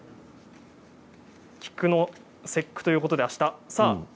菊の節句ということであした。